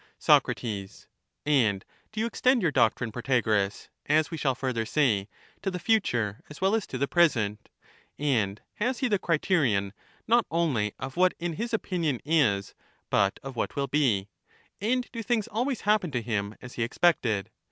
Soc. And do you extend your doctrine, Protagoras (as we shall further say), to the future as well as to the present ; and has he the criterion not only of what in his opinion is but of what will be, and do things always happen to him as he expected